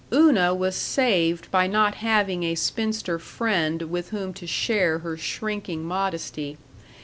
Una was saved by not having a spinster friend with whom to share her shrinking modesty.